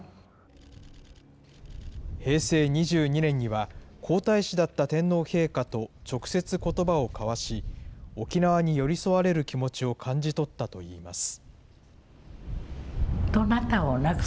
平成２２年には、皇太子だった天皇陛下と直接ことばを交わし、沖縄に寄り添われる気持ちを感じ取ったといいます。